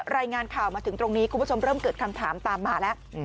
รายงานข่าวมาถึงตรงนี้คุณผู้ชมเริ่มเกิดคำถามตามมาแล้ว